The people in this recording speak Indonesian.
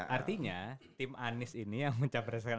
artinya tim anies ini yang mencapreskan